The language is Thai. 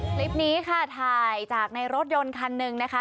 คลิปนี้ค่ะถ่ายจากในรถยนต์คันหนึ่งนะคะ